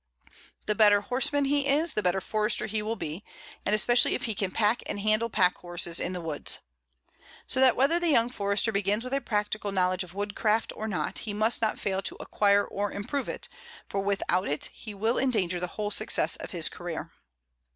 The better horseman he is the better Forester he will be, and especially if he can pack and handle pack horses in the woods. So that whether the young Forester begins with a practical knowledge of woodcraft or not, he must not fail to acquire or improve it, for without it he will endanger the whole success of his career.